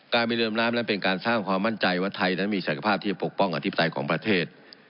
ไปเดิมน้ำนั้นเป็นการสร้างความมั่นใจว่าไทยนั้นมีศักยภาพที่จะปกป้องอธิปไตยของประเทศ